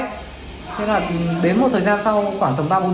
thế là đến một thời gian sau khoảng tầm ba bốn tiếng sau